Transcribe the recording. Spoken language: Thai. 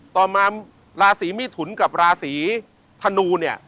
ต่อมาราศีมิถุนกับราศีธนูเนี่ย